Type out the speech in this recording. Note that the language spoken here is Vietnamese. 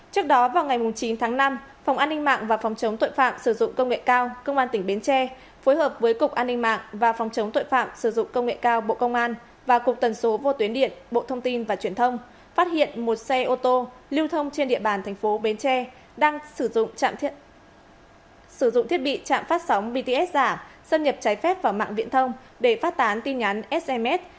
trước đó vào ngày chín tháng năm phòng an ninh mạng và phòng chống tội phạm sử dụng công nghệ cao công an tỉnh bến tre phối hợp với cục an ninh mạng và phòng chống tội phạm sử dụng công nghệ cao bộ công an và cục tần số vô tuyến điện bộ thông tin và truyền thông phát hiện một xe ô tô lưu thông trên địa bàn tp bến tre đang sử dụng trạm thiết bị trạm phát sóng bts giả xâm nhập trái phép vào mạng viễn thông để phát tán tin nhắn sms